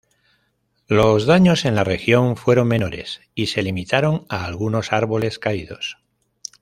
Los daños en la región fueron menores y se limitaron a algunos árboles caídos.